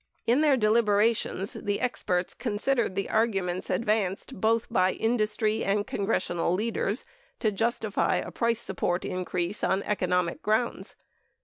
In their deliberations, the experts considered the arguments ad vanced by both industry and congressional leaders to justify a price support increase on economic grounds.